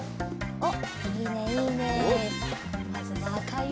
おっ！